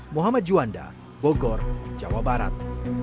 muhammad juanda bogor jawa barat